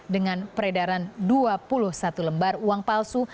dengan peredaran dua puluh satu lembar uang palsu